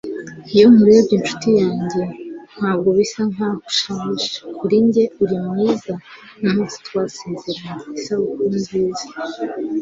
iyo nkurebye, nshuti yanjye - ntabwo bisa nkaho ushaje. kuri njye uri mwiza nkumunsi twasezeranye. isabukuru nziza